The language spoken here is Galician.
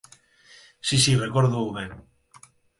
Si, si, recórdoo ben.